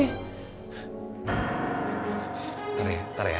ntar ya ntar ya